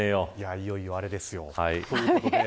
いよいよアレですよ。